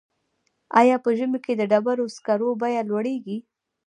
آیا په ژمي کې د ډبرو سکرو بیه لوړیږي؟